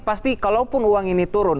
pasti kalaupun uang ini turun